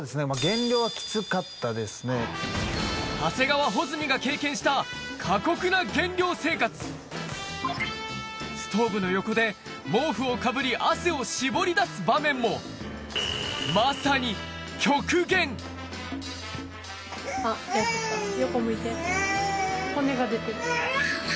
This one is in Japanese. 長谷川穂積が経験した過酷な減量生活ストーブの横で毛布をかぶり汗を絞り出す場面もまさに極限食べてましたね。